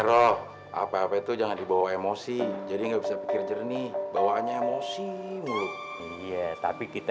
roh apa apa itu jangan dibawa emosi jadi nggak bisa pikir jernih bawaannya emosi iya tapi kita